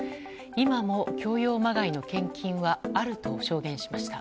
今も強要まがいの献金はあると証言しました。